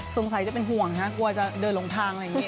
สงสัยจะเป็นห่วงฮะกลัวจะเดินลงทางอะไรอย่างนี้